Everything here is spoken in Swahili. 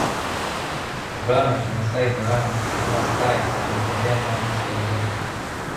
Mvulana wa kimaasai Morani au askari anatembea ndani ya Serengeti